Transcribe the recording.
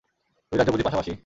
দুই রাজ্য বুঝি পাশাপাশি?